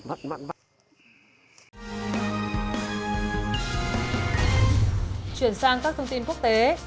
chuyển sang các thông tin quốc tế